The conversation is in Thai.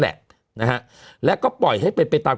มันติดคุกออกไปออกมาได้สองเดือน